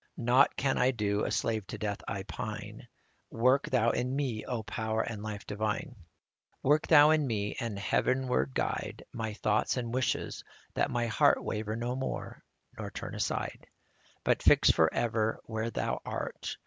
Nought can I do, a slave to death I pine : Work Thou in me, O Power and Life divine ! 55 Work Thou in me, and heavenward guide My thoughts and wishes, that my heart Waver no more, nor turn aside, But fix forever where Thou art.